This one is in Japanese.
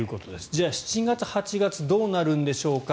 じゃあ７月、８月どうなるんでしょうか。